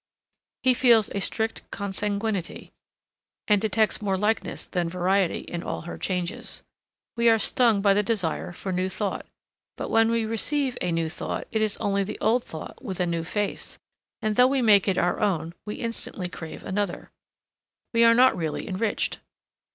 He feels a strict consanguinity, and detects more likeness than variety in all her changes. We are stung by the desire for new thought; but when we receive a new thought it is only the old thought with a new face, and though we make it our own we instantly crave another; we are not really enriched.